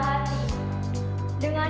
kita akan belajar